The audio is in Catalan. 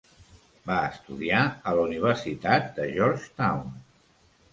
Va estudiar a la Universitat de Georgetown.